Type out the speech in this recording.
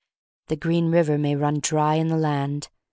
The green river may run dry in the land.